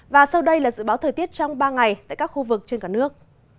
và sau đây là dự báo thời tiết trong ba ngày tại các khu vực trên cả nước